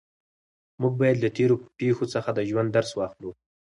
موږ باید له تېرو پېښو څخه د ژوند درس واخلو.